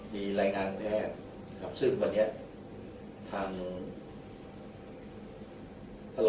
แต่ว่าในต่างมันอยู่ในสมนติก็ขอสมนติไปเรียกเกือบ